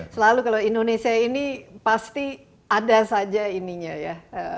selalu kalau indonesia ini pasti ada saja ininya ya